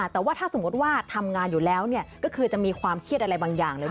แต่ว่าถ้าสมมติว่าทำงานอยู่แล้วก็คือจะมีความเครียดอะไรบางอย่างเลย